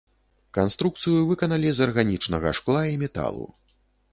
Канструкцыю выканалі з арганічнага шкла і металу.